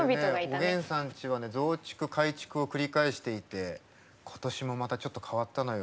おげんさんちは増築改築を繰り返していて今年もまたちょっと変わったのよ。